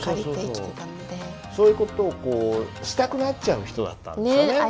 そういう事をしたくなっちゃう人だったんですよね。